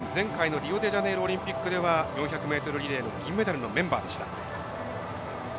２０１６年、前回のリオデジャネイロオリンピックでは４００ｍリレーの銀メダルのメンバーでした。